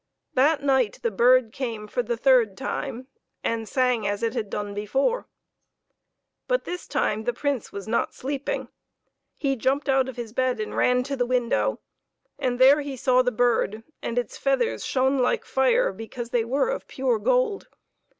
That night the bird came for the third time, and sang as it had done before. But this time the Prince was not sleeping. He jumped out of his bed and ran to the window, and there he saw the bird, and its feathers shone like fire because they were of pure gold.